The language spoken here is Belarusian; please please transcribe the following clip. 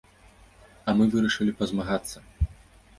А мы вырашылі пазмагацца.